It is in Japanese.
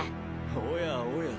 おやおや。